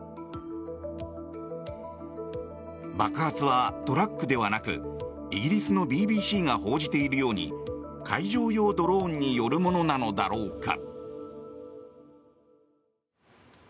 爆発はトラックではなくイギリスのＢＢＣが報じているように海上用ドローンによるものなのだろうか。